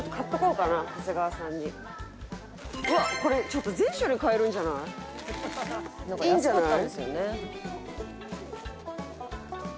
うわっこれちょっと全種類買えるんじゃない？いいんじゃない？